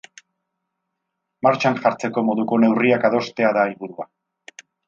Martxan jartzeko moduko neurriak adostea da helburua.